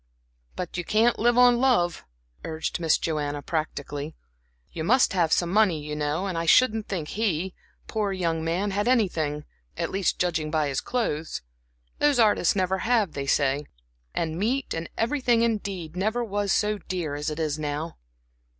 "But you can't live on love," urged Miss Joanna, practically. "You must have some money, you know, and I shouldn't think he, poor young man, had anything at least, judging by his clothes. Those artists never have, they say. And meat, and everything indeed, never was so dear as it is now."